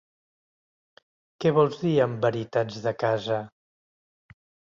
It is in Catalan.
Què vols dir amb "veritats de casa"?